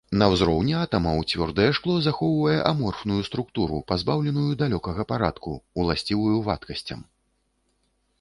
На ўзроўні атамаў цвёрдае шкло захоўвае аморфную структуру, пазбаўленую далёкага парадку, уласцівую вадкасцям.